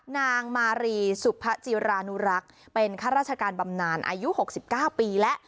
นางมารีสุภจิรานุรักษ์เป็นข้าราชการบำนานอายุ๖๙ปีแล้ว